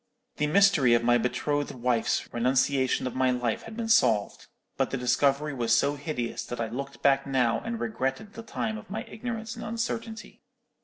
"The mystery of my betrothed wife's renunciation of my love had been solved; but the discovery was so hideous that I looked back now and regretted the time of my ignorance and uncertainty.